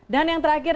dan yang terakhir